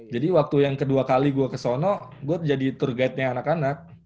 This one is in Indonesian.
jadi waktu yang kedua kali gue ke sono gue jadi tour guide nya anak anak